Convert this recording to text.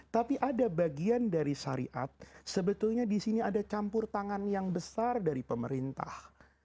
tapi ada bagian dari syariat sebetulnya di sini ada campur tangan yang besar dari pemerintah